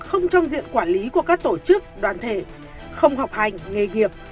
không trong diện quản lý của các tổ chức đoàn thể không học hành nghề nghiệp